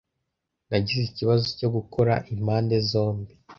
Nagize ikibazo cyo gukora impande zombi.